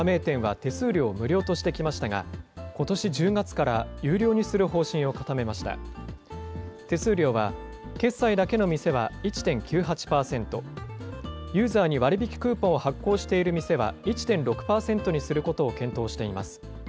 手数料は、決済だけの店は１．９８％、ユーザーに割引クーポンを発行している店は１．６％にすることを検討しています。